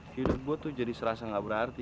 hidup gue tuh jadi serasa gak berarti